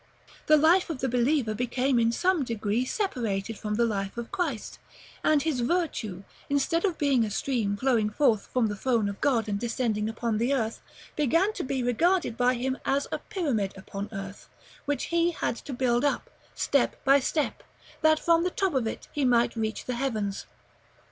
The Life of the Believer became in some degree separated from the Life of Christ; and his virtue, instead of being a stream flowing forth from the throne of God, and descending upon the earth, began to be regarded by him as a pyramid upon earth, which he had to build up, step by step, that from the top of it he might reach the Heavens.